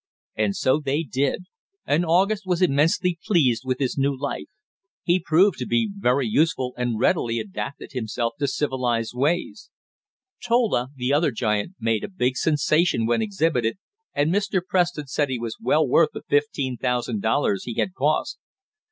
And so they did, and August was immensely pleased with his new life. He proved to be very useful, and readily adapted himself to civilized ways. Tola, the other giant, made a big sensation when exhibited, and Mr. Preston said he was well worth the fifteen thousand dollars he had cost.